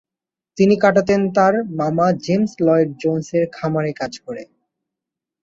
তিনি কাটাতেন তার মামা জেমস লয়েড জোনস এর খামারে কাজ করে।